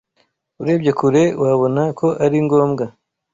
Urebye kure, wabona ko ari ngombwa